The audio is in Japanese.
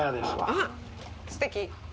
あっ、すてき！